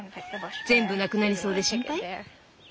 全部なくなりそうで心配？